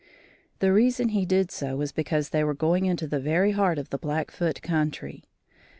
The reason he did so was because they were going into the very heart of the Blackfoot country.